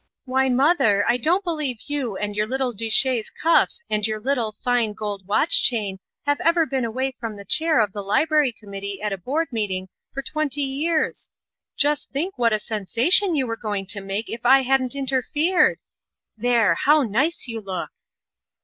"Why, mother, I don't believe you and your little duchesse cuffs and your little, fine, gold watch chain have ever been away from the chair of the library committee at a board meeting for twenty years! Just think what a sensation you were going to make if I hadn't interfered! There, how nice you look!"